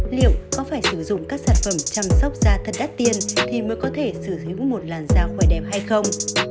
liệu có phải sử dụng các sản phẩm chăm sóc da thân đắt tiền thì mới có thể sử dụng một làn da khỏi đẹp hay không